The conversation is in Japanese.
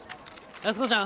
安子ちゃん？